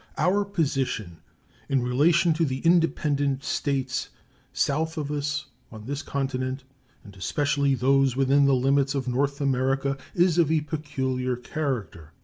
Our position in relation to the independent States south of us on this continent, and especially those within the limits of North America, is of a peculiar character.